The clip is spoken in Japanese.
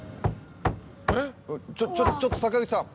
ちょちょ坂口さん！